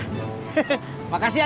terima kasih pak